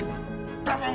頼む？